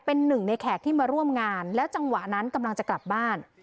เป็นหนึ่งในแขกที่มาร่วมงานแล้วจังหวะนั้นกำลังจะกลับบ้าน